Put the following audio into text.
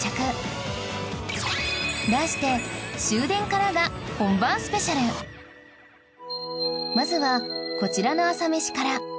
題してまずはこちらの朝メシから